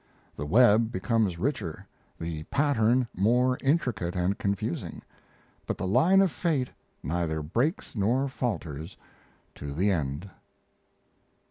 The web becomes richer, the pattern more intricate and confusing, but the line of fate neither breaks nor falters, to the end.